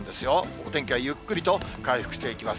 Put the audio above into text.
お天気はゆっくりと回復していきます。